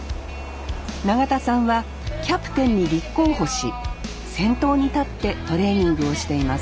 永田さんはキャプテンに立候補し先頭に立ってトレーニングをしています